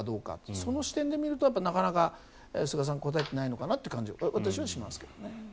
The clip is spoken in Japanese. その視点で見るとなかなか、菅さん答えていないのかなって感じが私はしますけどね。